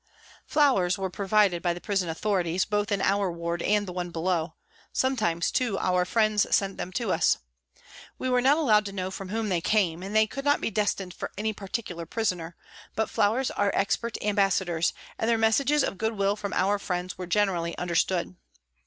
Flowers were provided by the prison authorities, both in our ward and the one below ; sometimes, too, our friends sent them to us. We were not allowed to know from whom they came, and they could not be destined for any particular prisoner, but flowers are expert ambassadors, and their messages of good will from our friends were generally understood.